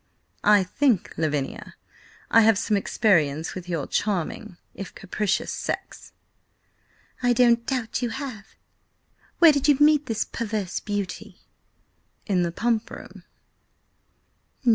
I think, Lavinia, I have some experience with your charming, if capricious sex." "I don't doubt you have. Where did you meet this perverse beauty?" "In the Pump Room."